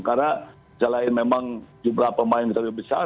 karena selain memang jumlah pemain lebih besar